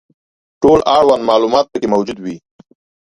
ټول اړوند معلومات پکې موجود وي.